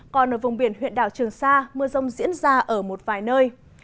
còn ở vùng biển huyện đảo trường sa mưa rông diễn ra ở một vài nơi